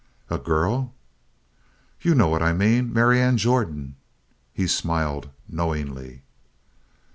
"A girl?" "You know what I mean. Marianne Jordan." He smiled knowingly.